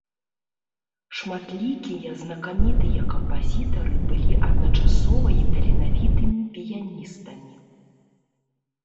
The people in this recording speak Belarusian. Шматлікія знакамітыя кампазітары былі адначасова і таленавітымі піяністамі.